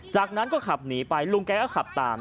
จากนั้นก็ขับหนีไปลุงแกก็ขับตาม